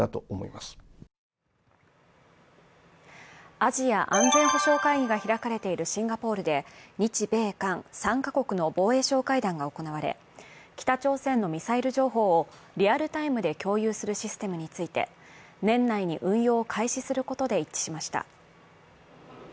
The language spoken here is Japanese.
アジア安全保障会議が開かれているシンガポールで日米韓３か国の防衛相会談が行われ北朝鮮のミサイル情報をリアルタイムで共有するシステムについて、年内に運用を開始することで一致しました。